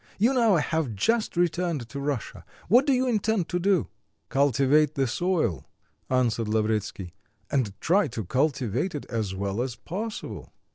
"You now have just returned to Russia, what do you intend to do?" "Cultivate the soil," answered Lavretsky, "and try to cultivate it as well as possible."